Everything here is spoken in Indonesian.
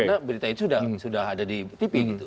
karena berita itu sudah ada di tv